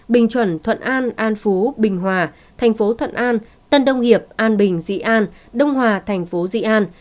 bình chuẩn thuận an an phú bình hòa thành phố thuận an tân đông hiệp an bình dị an đông hòa thành phố dị an